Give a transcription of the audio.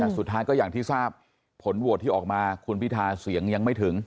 สุดท้ายก็อย่างที่ทราบผลโหวตที่ออกมาคุณพิทาเสียงยังไม่ถึง